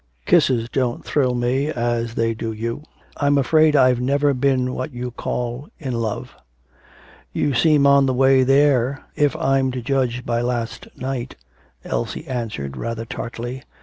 Kisses don't thrill me as they do you. I'm afraid I've never been what you call "in love."' 'You seem on the way there, if I'm to judge by last night,' Elsie answered rather tartly.